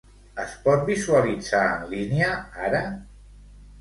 Es pot visualitzar en línia ara?